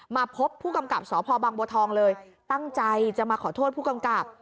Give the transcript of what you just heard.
มาพบผู้กำกับสพบังบัวทองเลยตั้งใจจะมาขอโทษผู้กำกับ